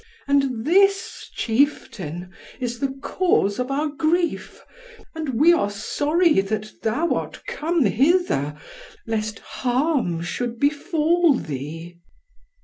And this, Chieftain, is the cause of our grief, and we are sorry that thou art come hither, lest harm should befall thee."